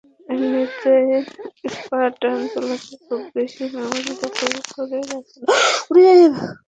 এমনিতে স্পার্টান চালাতে খুব বেশি মেমোরি দখল করে রাখে না, ব্যবহারে তাই হালকা।